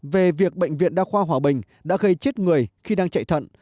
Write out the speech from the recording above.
về việc bệnh viện đa khoa hòa bình đã gây chết người khi đang chạy thận